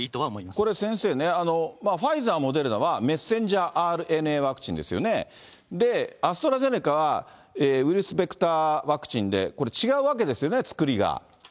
これ先生ね、ファイザー、モデルナは、ｍＲＮＡワクチンですよね、アストラゼネカはウイルスベクターワクチンでこれ、違うわそうですね。